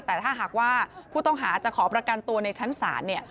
แต่ถ้าหากว่าผู้ต้องหาจะขอประกันตัวในชั้นศาลเนี่ย